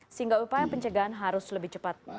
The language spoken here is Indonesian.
sehingga upaya pencegahan harus lebih cepat